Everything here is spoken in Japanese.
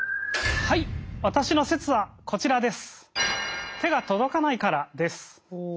はい私の説はこちらです。